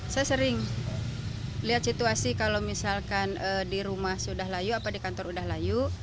saya sering lihat situasi kalau misalkan di rumah sudah layu apa di kantor sudah layu